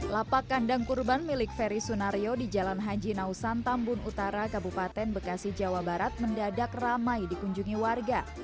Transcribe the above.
lapak kandang kurban milik ferry sunario di jalan haji nausan tambun utara kabupaten bekasi jawa barat mendadak ramai dikunjungi warga